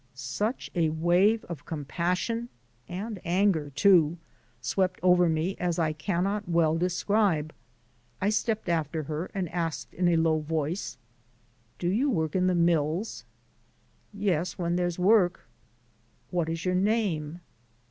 Such a wave of compassion (and anger, too) swept over me as I cannot well describe. I stepped after her and asked in a low voice: "Do you work in the mills?" "Yes, when there's work." "What is your name?"